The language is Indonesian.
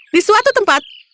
di suatu tempat